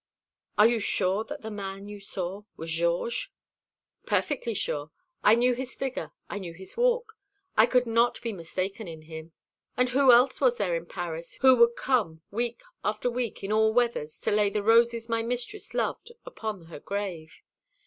'" "Are you sure that the man you saw was Georges?" "Perfectly sure. I knew his figure; I knew his walk. I could not be mistaken in him. And who else was there in Paris who would come week after week, in all weathers, to lay the roses my mistress loved upon her grave?